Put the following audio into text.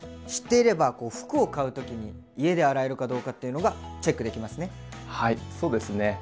知っていれば服を買う時に家で洗えるかどうかっていうのがチェックできますね。